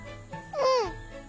うん！